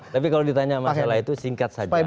tapi kalau ditanya masalah itu singkat saja